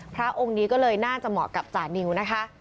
พระองค์นี้ก็เลยน่าจะเหมาะกับจานิวนะคะ